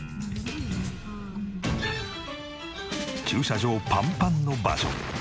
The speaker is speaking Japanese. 駐車場パンパンの場所。